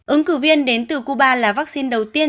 ứng cử viên đến từ cuba là vaccine đầu tiên